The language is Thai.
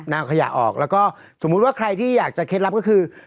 เอาขยะออกแล้วก็สมมุติว่าใครที่อยากจะเคล็ดลับก็คือ